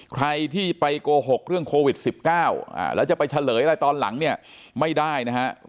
ใครที่ไปโกหกเรื่องโควิด๑๙แล้วจะไปเฉลยอะไรตอนหลังเนี่ยไม่ได้นะฮะ